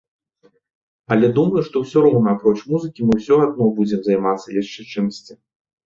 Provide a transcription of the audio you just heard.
Але думаю, што ўсё роўна апроч музыкі мы ўсё адно будзем займацца яшчэ чымсьці.